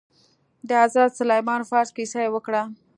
د حضرت سلمان فارس کيسه يې وکړه.